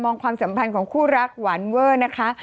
ความสัมพันธ์ของคู่รักหวานเวอร์นะคะ